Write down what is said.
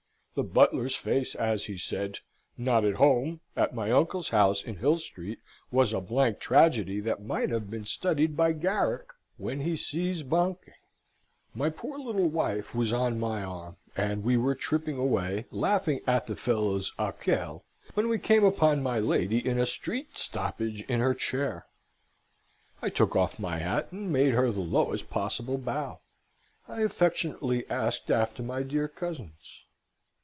The butler's face, as he said, "Not at home," at my uncle's house in Hill Street, was a blank tragedy that might have been studied by Garrick when he sees Banque. My poor little wife was on my arm, and we were tripping away, laughing at the fellow's accueil, when we came upon my lady in a street stoppage in her chair. I took off my hat and made her the lowest possible bow. I affectionately asked after my dear cousins.